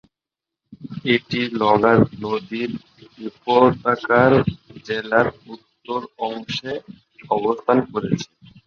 এটি লগার নদী উপত্যকার জেলার উত্তর অংশে অবস্থান করছে।